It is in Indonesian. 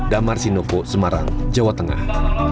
damar sinoko semarang jawa tengah